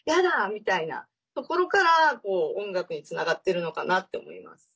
みたいなところから音楽につながってるのかなって思います。